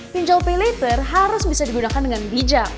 pinjol pay later harus bisa digunakan dengan bijak